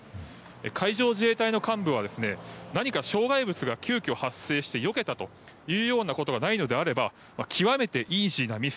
海上自衛隊の幹部は何か障害物が急きょ、発生してよけた、というようなことがないのであれば極めてイージーなミス。